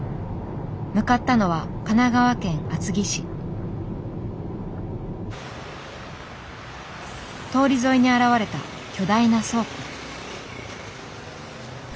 向かったのは通り沿いに現れた巨大な倉庫。